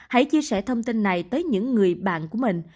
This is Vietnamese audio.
hãy chia sẻ thông tin này tới những người bạn của mình